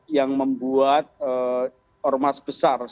yang membuat ormas besar